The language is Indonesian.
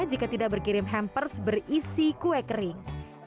jika tidak berkirim hampers berisi kue kering